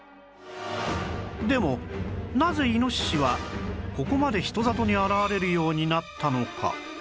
でもなぜイノシシはここまで人里に現れるようになったのか？